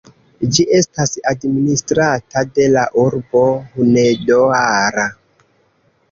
Ĝi estas administrata de la urbo Hunedoara.